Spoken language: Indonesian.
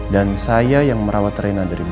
dan saya yang merawat reina dari bayi